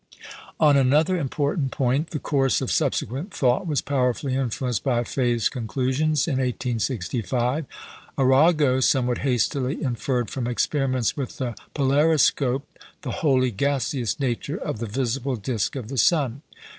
On another important point the course of subsequent thought was powerfully influenced by Faye's conclusions in 1865. Arago somewhat hastily inferred from experiments with the polariscope the wholly gaseous nature of the visible disc of the sun.